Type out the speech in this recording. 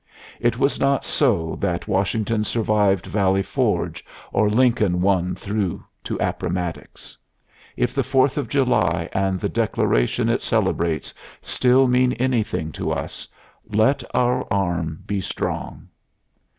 It was not so that Washington survived Valley Forge, or Lincoln won through to Appomattox. If the Fourth of July and the Declaration it celebrates still mean anything to us, let our arm be strong.